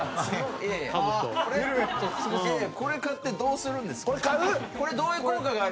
すごそうこれ買ってどうするんですか？